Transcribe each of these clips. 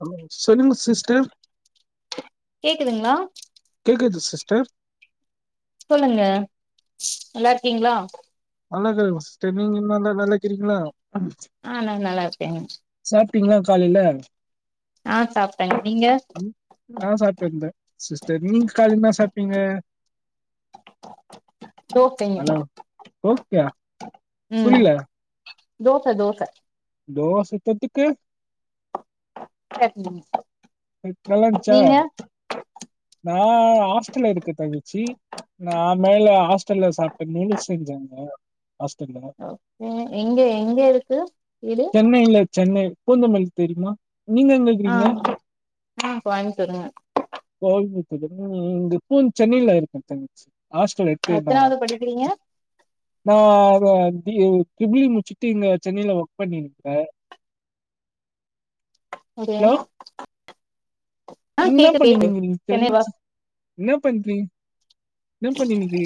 ஹ சொல்லுங்க சிஸ்டர் கேக்குதுங்களா கேக்குது சிஸ்டர் சொல்லுங்க நல்லா இருக்கீங்களா நல்லா தா இருக்க சிஸ்டர் நீங்க எல்லா நல்லா இருக்குறீங்களா ஆ நா நல்லா இருக்க சாப்ட்டீங்களா கால்ல ஆ சாப்ட்ட நீங்க ம் நா சாப்ட்ட இருந்த சிஸ்டர் நீங்க கால்ல என்ன சாப்ட்டிங்க ஓகேங் ஓக்யா புரில தோச தோச தோச தொட்டுக்க சட்னி நல்லாஞ்ச்சா நீங்க நா ஹாஸ்டல இருக்க தங்கச்சி நா மேல ஹாஸ்டல்ல சாப்ட நூடுல்ஷ் செஞ்சாங்க ஹாஸ்டல்ல அப்ரோ எங்க எங்க இருக்கு வீடு சென்னை ல்ல சென்னை பூந்தமல்லி தெரியுமா நீங்க எங்க ஆ இருக்கிறீங்க ஆ நா கோயம்ப்தூர் கோயம்புத்துரா ம்ம் இப்பொ சென்னையில இருக்க தங்கச்சு ஹாஸ்டல எத்தனாவது [unintelligible] படிக்கிறீங்க நா அத டிரிபிலி இ முச்சுட்டு இங்க சென்னைய்ல ஒர்க் பண்ணிருக்க ஹலோ [unintelligible] ஆ என்ன கேக்கு பண்ணிட் கேக்கு இருக்கீங்க சென்னை வா தங்கச்சி என்னா பண்றிங்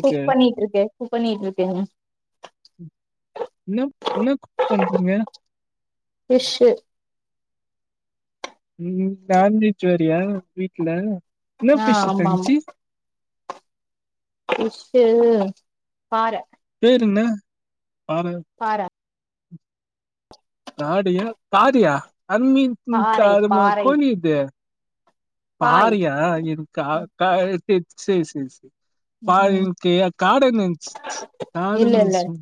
குக் பண்ணிட் இருக்க குக் பண்ணிட்டு இருக்க என்ன என்ன குக் பண்றீங்க ஃபிஷ் ம் நான்வெஜ் வெரயா வீட்ல என்ன ஆ ஃபிஷு ஆமா ஆமா தங்கச்சு ஃபிஷு பார பேரென்ன பார பாற தாடியா தாரியா அந்தமீன் பாறை கூப்பிட்டாலுமாவா பாறை கோணிக்குது பாய் பாறியா இருக்கா க சேர் சேரி ம் ம் பாரக்கெ காடன் நென்ச்சு காட இல்ல நென்ச்சு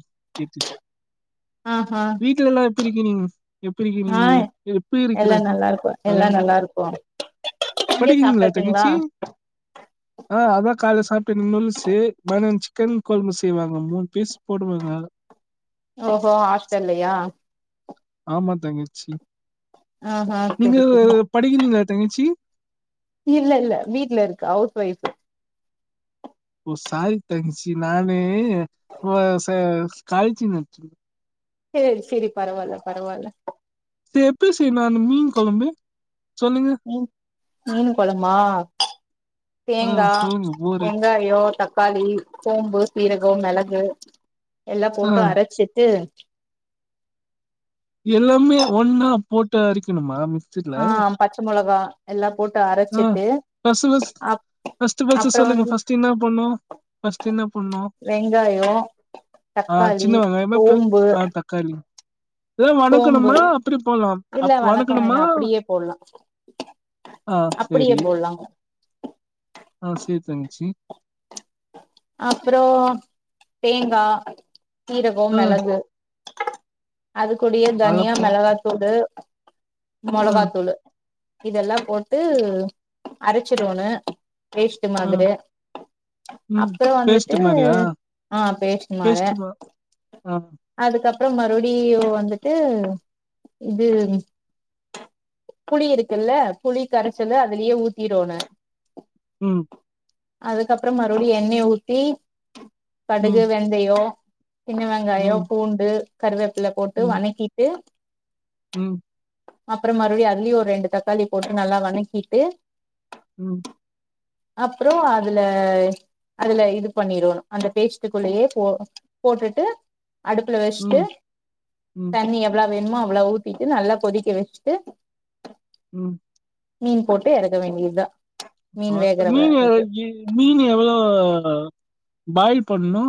ஆ ஆ வீட்ல எல்லா எப் இருக்கிறிங் எப்டி இருக்கீங்க எப்டி இருக்குற எல்லா நல்லா இருக்கு ஆ எல்லா நல்லா இருக்கோ படிக்கீறிங்ளா தங்கச்சி ஆ அதா கால்ல சாப்ட்ட நுல்சு மதிய சிக்கன் கொழம்பு செய்வாங்க மூணு பீஸ் போடுவாங்க ஓஹோ ஹஸ்டல்லயா ஆமா தங்கச்சி ஆஹா நீங்க சரி சரி படிக்கிறீங்ளா தங்கச்சி இல்லெல்ல வீட்ல இருக்க ஹவுஸ் ஒய்ஃபு ஓ சாரி தங்கச்சி நானு வ ச காளேச்சி நென்ச்ச சேரி சேரி பரவால்ல பரவால்ல சேரி எப்பி செய்னு அந்த மீன் கொழம்பு சொல்லுங்க மீன் மீன் கொழமா ஆ தேங்கா சொல்லுங்க போரு வெங்கா யோ தக்காளி சோம்பு சீரகோ மெளகு எல்லா ஆ போட்டு அரச்சிட்டு எல்லாமே ஒன்னா போட்டு அரிக்குணுமா மிக் ஆ பச்ச மொளகா எல்லா போட்டு ஆ அரச்சிட்டு ஃபர்ஸ்ட்டு அப் ஃபர்ஸ்ட்டு அப்றோ சொல்லுங்க வந்து ஃபர்ஸ்ட்டு என்னா பண்ணு ஃபர்ஸ்ட் என்ன பண்ணு வெங்காயோ ஆ தக்காளி சின்ன வெங்காயமா பெ சோம்பு ஆ தக்காளி இதெல்லாம் சோம்பு வணக்கணுமா? அப்படி போலாம். இல்ல அப் வனக்க வணக்கணுமா? வேணா அப்டியே போட்லா ஆ அப்டியே சரி. போட்லாங் ஆ சேரி தங்கச்சி அப்றோ தேங்கா சீரகம் ம். மெளகு அதுக்குடியே நல்லா தன்யா போ மெளகாத்தூளு ம், மொளகாத்தூளு இதெல்லா போட்டு அரச்சிடுவோணு பேஸ்ட் ம், மாதிரி ம் அப்றோ பேஸ்ட் வந்துட்டு மாறியா ஆ மாரி பேஸ்ட் மா அ அதுக்கப்றோ மறுபிடி வந்துட்டு‌ இது புளி இருக்குல்ல புளி கரைச்சலு அதுலயே ஊத்திருவோனு ம் அதுக்கப்றோ மறுபடியு எண்ணெய ஊத்தி கடுகு ம், வெந்தயோ சின்ன வெங்காயோ ம், பூண்டு கருவேப்பில போட்டு ம், வனக்கிட்டு ம் அப்றோ மறுபிடியு அதுலயு ஒரு ரெண்டு தக்காளி போட்டு நல்லா வனக்கிட்டு ம் அப்றோ அதுல அதுல இது பண்ணிறணு அந்த பேஸ்ட்டுக்குள்ளயே போ போட்டுட்டு அடுப்புல வச்சுட்டு ம், ம், தண்ணிய எவ்ளோ வேணுமோ அவ்ளோ ஊத்திட்டு நல்லா கொதிக்க வச்சுட்டு ம் மீன் போட்டு எறக்க வேண்டிதா அ மீன் எறக்கி மீன் எவ்ளோ பாய்ல் பண்னு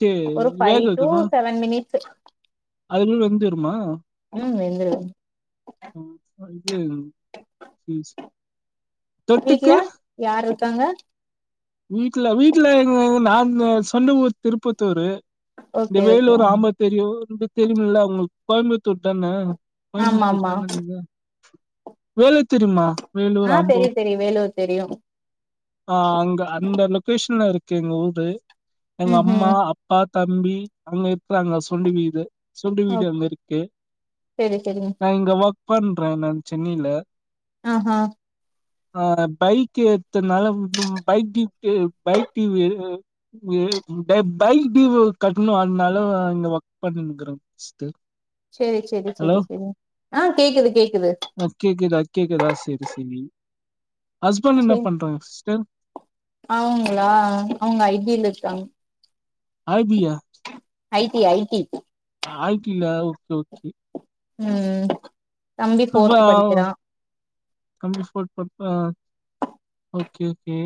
தே ஒரு வேக ஃபைவ் டு வக்குனு செவன் மினிட்ஸ்சு அதுகுள்ள வெந்தேருமா ம் வெந்துரு [unintelligible] வீட்ல தொட்டுக்கு யாரு இருக்காங்க வீட்ல வீட்ல எங்க நானு சொந்த ஊரு திருப்பத்தூரு இந்த ஓகே ஓகே வேலூர் ஆம்பத் தெரியு தெரியும்ல உங்களுக்கு கோயம்புத்தூர் தான ஆமா கோயம்புத்தூர் ஆமா தான நீங்க வேலூர் தெரிமா வேலூர் ஆ தெரியு அம்பூர் தெரியு வேலூர் தெரியு ஆ அங்க அந்த லொகேஷன்ல இருக்கு எங்க ஊரு எங்க ம் அம்மா ம் அப் பா தம்பி அங்க இருக்கிறாங்க சொண்டி வீடு பிரண்டு ஓ வீடு அங்க இருக்கு செரி செரிங்க நா இங்க ஒர்க் பண்றே நா சென்னையில ஆஹ்ஹா ஆ பைக் ஏத்த ருதுனலா வந்து ம் பைக் டிவுக்கே பைக் டிவு ஒ இது பை பைக் டியூ‌ கட்டணு அதனால ஆ இங்க ஒர்க் பண்ணிணு இருங்கற ஃபர்ஸ்ட் டு சேரி சேரி சேரி சேரி ஆ கேக்குது கேக்குது அ கேக்குதா கேக்குதா சேரி சேரி ஹஸ்பண்ட்டு என்ன பண்றாங்க சிஸ்டர் அவுங்களா அவுங்க ஐ டி யில இருக்காங்க ஐ டி யா ஐ டி‌ ஐ டி ஆ ஐ டி யா ஓக்கே ஓக்கே ம் ம் தம்பி ஃபோர்த் சுபாவ் படிக்கிறா கம்பில் ஸ்கூல் பப்பா ஓகே ஓகே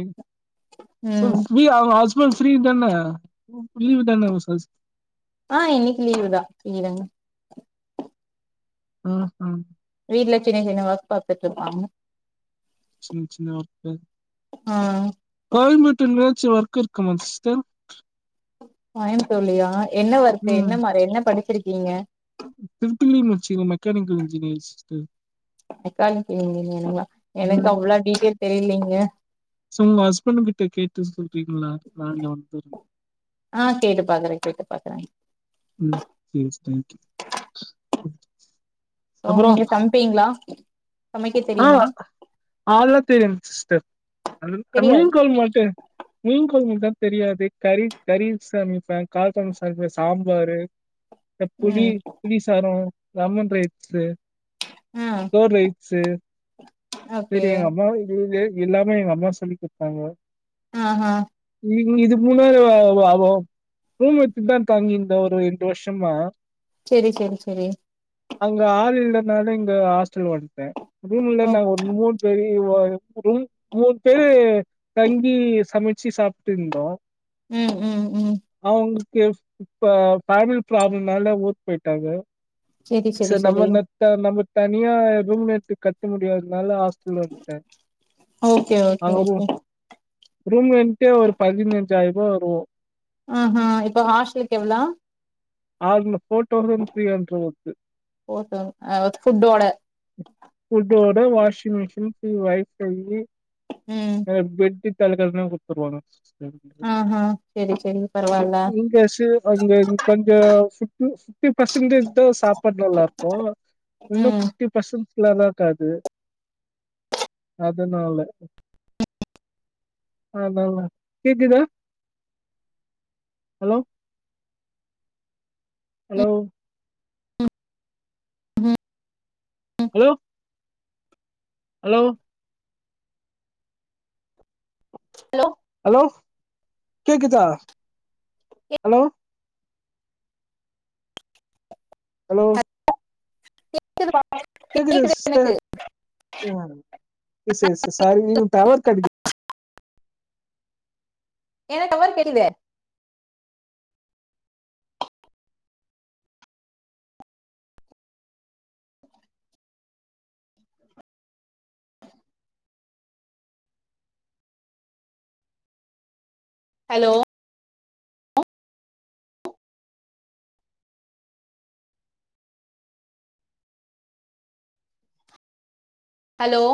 ஏ ம் ஃப்ரீ அ ஹஸ்பண்ட்‌ ஃப்ரீ தனா லீவு‌ தான ஹஸ்பண்ட் ஆ இன்னைக்கு லீவுதா செய்றங்க ம் ம் வீட்ல சின்ன சின்ன ஒர்க் பாத்துட்டு இருக்காங்க சின்ன சின்ன ஒர்க்கு ஆ கோயம்புதூருல எதாச்சு ஒர்க் இருக்குமா சிஸ்டர் கோயமுத்தூருலிய என்ன ஒர்க் என்ன ம் மாறி என்ன படிச்சிருக்கீங்க ட்ரிபிள் இ முடிச்சி மெக்கானிக்கல் இன்ஜினியர் சிஸ்டர் விசரிச்சுக்கேங்க நீங்க வேனா எனக்கு அவ்ளே டீட்டெயில் தெரியலீங்க சே உங்க ஹஸ்பண்ட்டு கிட்ட கேட்டு சொல்றீங்களா நா அங்க வந்துரே ஆ கேட்டு பாக்குக்கறே கேட்டு பாக்குறே ம் மிஸ் தேங்க்யூ டேம் அப்புறோ நீங்க சமைப்பீங்களா சமைக்க தெரியுமா ஆலா தெரியாது சிஸ்டர் அதுல தெரியாது மீன் குழம்பு மாட்டே மீன் குழம்பு தா தெரியாது கறி கறி சமைப்பே கால் குழம்பு சமைப்பே சாம்பாரு அந்த புளி ம் புளிசாதம் லெமன் ரைஸ்சு ஆ கேட் ரைஸ்சு ஓகே சரி எங்க அம்மா இங்கு இருந்து எல்லாமே எங்க அம்மா சொல்லி் கொடுத்தாங்க ஆ நீங்க இது கூட அவ அவா ரூமு எடுத்துதா தங்கி இருந்தே ஒரு ரெண்டு வருஷசமா சேரி சேரி சேரி அங்க ஆள் இல்லனால இங்க ஹாஸ்டல் வந்துட்டே ரூம்ல ஓ நா ஒருத் ஒரு பெரிய ரூமா வாங்கி டெய்லி மூணு பேரு தங்கி சமைச்சு சாப்பிட்டு இருந்தோ ம் ம் ம் அவுங்களுக்கு இ இப்ப ஃபேமிலி ப்ராப்ளம்னால ஊருக் போயிட்டாங்க செரி செரி சார் செரி நம்ம நா நம்ம தனியா ரூமு எடுத்து கட்ட முடியாததுனால ஹாஸ் கிழ இருக்கே ஓகே ஓகே அங்க போ ஓகே ரூம் ரெண்டு ஒரு பதினெஞ்சாயிரே ரூபா வரும் ஆஹா இப்ப ஹாஸ்டலுக்கு எவ்ளோ அதுல ஃபோர் தௌசண்ட் த்ரீ அண்ட ஒத்து போ அது ஃபுட்டோட ஃபுட்டோட வாஷிங் மிஷின் வைஃபை ம் பெட்டி தலைக்கனை குடுத்துருவாங்க ஆஹா செரி செரி பரவால்ல இங்கசு அங்க கொஞ்ச பிஃப்டி பெர்சன்டேஜ் இ சாப்பாடு நல்லாருக்கும் இன்னும் ம் பிஃப்ட்டிபர்சன்ட் நல்லா இருக்காது அதனால ஆமாமா கேக்கதா ஹலோ ஹலோ ம் ஹலோ ஹலோ ஹலோ ஹலோ கேக்குதா ஹலோ ஹலோ இது வா [inaudible] கேக்குதா சிஸ்டர் யெஸ் யெஸ் சாரி நீங்க கொஞ்சம் டவர் பிராப்ளம் எனக்கு டவர் கேக் ஹலோ ஹலோ